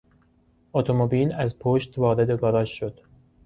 اتومبیل از پشت وارد گاراژ شد.